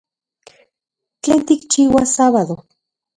¿Tlen tikchiuas sábado?